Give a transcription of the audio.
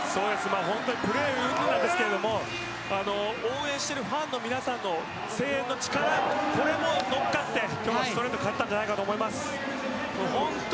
プレーもそうですが応援しているファンの皆さんの声援の力も乗っかって今日はストレートで勝ったんじゃないかと思います。